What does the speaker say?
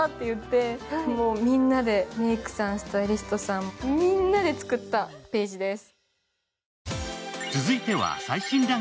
メイクさん、スタイリストさん、みんなで作ったページです。